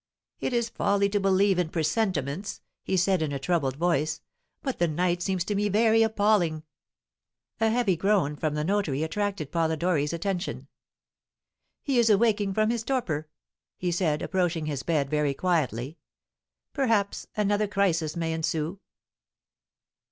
"It is folly to believe in presentments," he said, in a troubled voice; "but the night seems to me very appalling!" A heavy groan from the notary attracted Polidori's attention. "He is awaking from his torpor," he said, approaching his bed very quietly; "perhaps another crisis may ensue!"